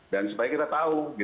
dan supaya kita tahu